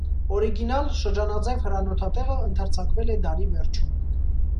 Օրիգինալ, շրջանաձև հրանոթատեղը ընդարձակվել է դարի վերջում։